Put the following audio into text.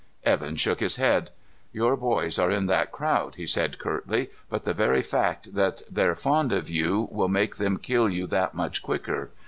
Evan shook his head. "Your boys are in that crowd," he said curtly, "but the very fact that they're fond of you will make them kill you that much quicker.